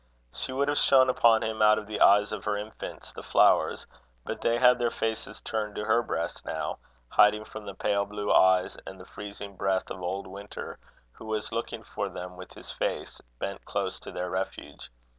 She would have shone upon him out of the eyes of her infants, the flowers, but they had their faces turned to her breast now, hiding from the pale blue eyes and the freezing breath of old Winter, who was looking for them with his face bent close to their refuge.